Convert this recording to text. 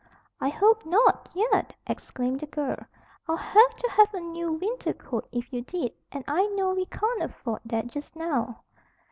"I hope not, yet!" exclaimed the girl. "I'd have to have a new winter coat if you did, and I know we can't afford that just now."